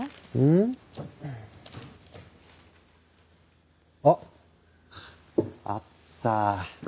んっ？あっ！あった！